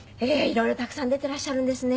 色々たくさん出てらっしゃるんですね。